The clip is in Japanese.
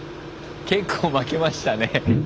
結構負けましたね。